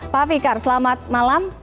pak fikar selamat malam